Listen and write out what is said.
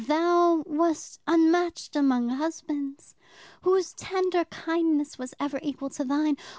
Thou wast unmatched among husbands. Whose tender kindness was ever equal to thine?